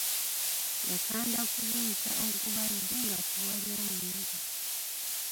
Yakanda kubuuza ogubadde nga tewali amunyega.